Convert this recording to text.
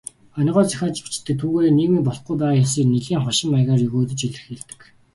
Онигоо зохиож бичдэг, түүгээрээ нийгмийн болохгүй байгаа хэсгийг нэлээн хошин маягаар егөөдөж илэрхийлдэг.